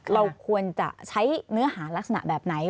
เราควรจะใช้เนื้อหารักษณะแบบไหน